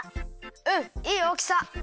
うんいいおおきさ！